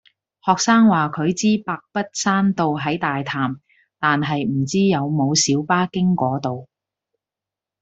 學生話佢知白筆山道係喺大潭，但係唔知有冇小巴經嗰度